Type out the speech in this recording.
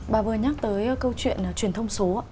bà vừa nhắc tới câu chuyện truyền thông số